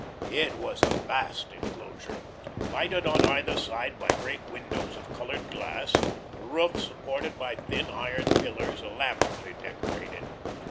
It was a vast enclosure, lighted on either side by great windows of coloured glass, the roof supported by thin iron pillars elaborately decorated.